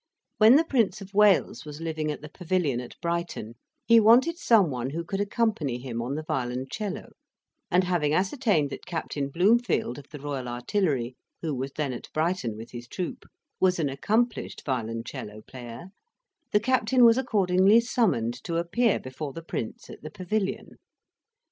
When the Prince of Wales was living at the Pavilion at Brighton, he wanted some one who could accompany him on the violoncello, and having ascertained that Captain Bloomfield, of the Royal Artillery, who was then at Brighton with his troop, was an accomplished violoncello player, the captain was accordingly summoned to appear before the Prince, at the Pavilion.